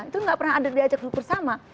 itu gak pernah ada diajak duduk bersama